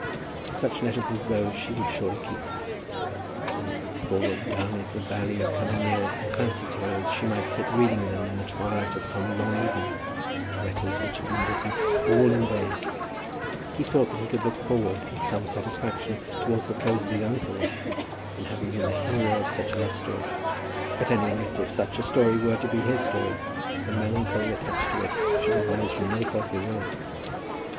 Such letters as those she would surely keep. Then he looked forward, down into the valley of coming years, and fancied her as she might sit reading them in the twilight of some long evening, letters which had been written all in vain. He thought that he could look forward with some satisfaction towards the close of his own career, in having been the hero of such a love story. At any rate, if such a story were to be his story, the melancholy attached to it should arise from no fault of his own.